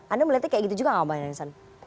anda melihatnya kayak gitu juga nggak pak yansen